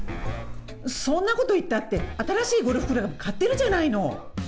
そんなこと言ったって、新しいゴルフクラブ買ってるじゃないの。